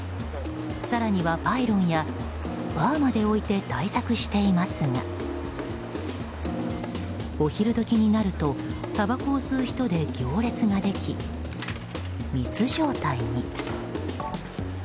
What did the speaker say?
更には、パイロンやバーまで置いて対策していますがお昼時になるとたばこを吸う人で行列ができ密状態に。